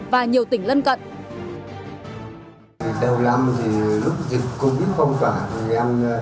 và nhiều tỉnh lân cận